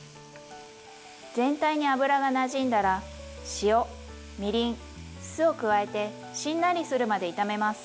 全体に油がなじんだら塩みりん酢を加えてしんなりするまで炒めます。